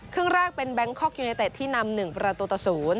ครึ่งแรกเป็นแบงคอกยูเนเต็ดที่นำ๑ประตูต่อ๐